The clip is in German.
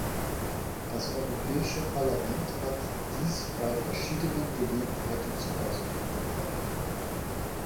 Das Europäische Parlament hat dies bei verschiedenen Gelegenheiten zum Ausdruck gebracht.